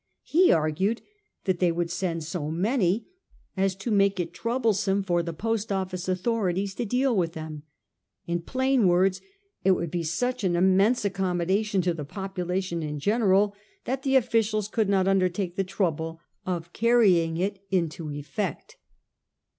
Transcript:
He argued that they would send so many as to make it troublesome for the Post Office authorities to deal with them. In plain words, it would be such an immense accommo dation to the population in general, that the officials could not undertake the trouble of carrying it into effect.